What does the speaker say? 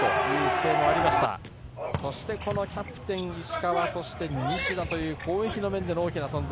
そしてキャプテン、石川西田という攻撃の面での大きな存在。